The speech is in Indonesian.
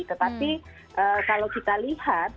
tetapi kalau kita lihat